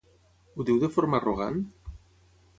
Ho diu de forma arrogant?